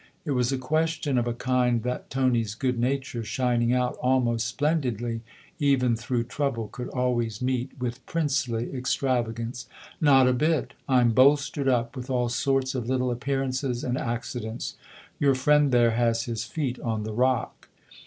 It was a question of a kind that Tony's good nature, shining out almost splendidly even through trouble, could always meet with princely extrava gance. " Not a bit ! I'm bolstered up with all sorts of little appearances and accidents. Your friend there has his feet on the rock."